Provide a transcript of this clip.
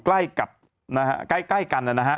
ใกล้กันนะครับ